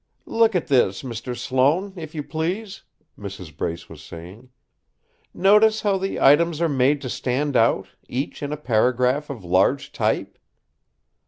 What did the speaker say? "Look at this, Mr. Sloane, if you please," Mrs. Brace was saying; "notice how the items are made to stand out, each in a paragraph of large type."